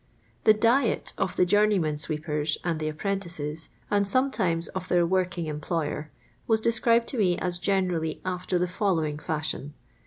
The diet of the Journey/men srt' pers and the apprentices, and sometimes of their working em ployer, was described to me as generally after the following fashion.